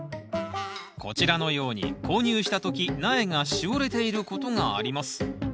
こちらのように購入した時苗がしおれていることがあります。